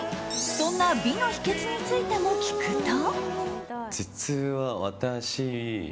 そんな美の秘訣についても聞くと。